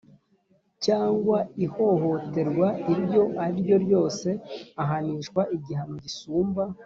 cyangwa ihohoterwa iryo ari ryo ryose, ahanishwa igihano gisumba